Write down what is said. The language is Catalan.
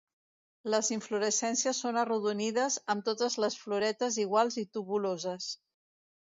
Les inflorescències són arrodonides, amb totes les floretes iguals i tubuloses.